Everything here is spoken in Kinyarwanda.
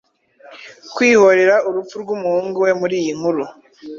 kwihorera urupfu rwumuhungu we muriyi nkuru